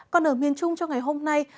còn ở miền trung cho ngày hôm nay